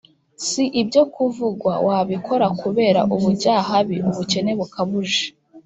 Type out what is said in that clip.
Si ibyo kuvugwa wabikora kubera ubujyahabi (ubukene bukabuje)